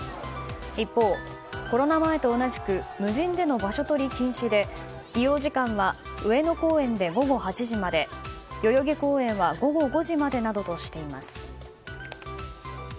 一方、コロナ前と同じく無人での場所取り禁止で利用時間は上野公園で午後８時まで代々木公園は午後５時までなどとしています。